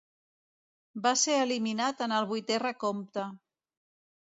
Va ser eliminat en el vuitè recompte.